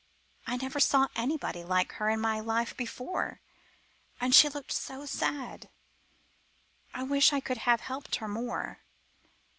I never saw anybody like her in my life before, and she looked so sad; I wish I could have helped her more."